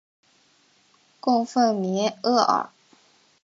供奉弥额尔。